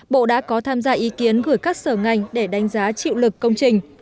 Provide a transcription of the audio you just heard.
bộ đã có tham gia ý kiến gửi các sở ngành để đánh giá chịu lực công trình